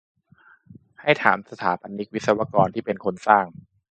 ให้ถามสถาปนิก-วิศวกร ที่เป็นคนสร้าง